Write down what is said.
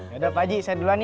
yaudah pak haji saya duluan ya